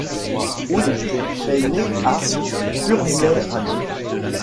Oud est né à Purmerend.